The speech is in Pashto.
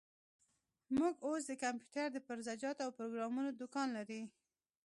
موږ اوس د کمپيوټر د پرزه جاتو او پروګرامونو دوکان لري.